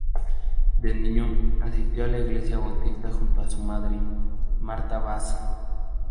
De niño, asistió a la Iglesia Bautista junto a su madre, Martha Bass.